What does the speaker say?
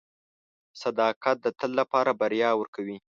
• صداقت د تل لپاره بریا ورکوي.